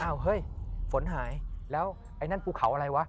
เฮ้ยฝนหายแล้วไอ้นั่นภูเขาอะไรวะ